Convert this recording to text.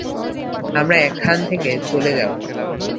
আমরা এখান থেকে চলে যাব।